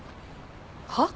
はっ？